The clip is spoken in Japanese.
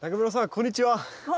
こんにちは。